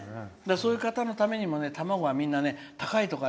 そういう方のためにも卵はみんな高いと。